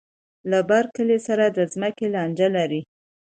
له بر کلي سره د ځمکې لانجه لري.